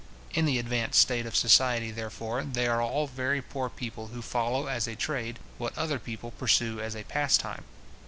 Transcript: In the advanced state of society, therefore, they are all very poor people who follow as a trade, what other people pursue as a pastime.